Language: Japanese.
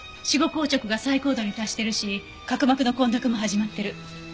死後硬直が最高度に達しているし角膜の混濁も始まってる。